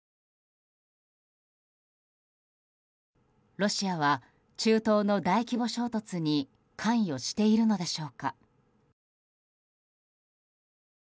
ロシアは中東の大規模衝突に関与しているのでしょうか。